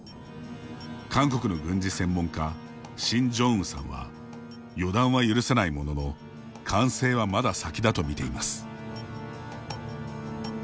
韓国の軍事専門家シン・ジョンウさんは予断は許さないものの完成はまだ先だと見ています。